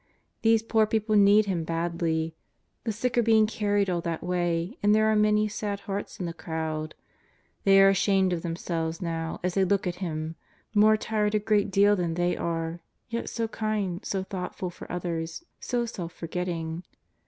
These poor people need Him badly ; the sick are being carried all that way, and there are many sad hearts in the crowd. They are ashamed of themselves now as they look at Him, more tired a great deal than they are, yet so kind, so thoughtful for others, so self forgetting.